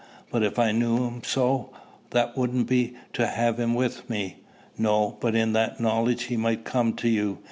"But, if I knew him so, that wouldn't be to have him with me." "No; but in that knowledge he might come to you.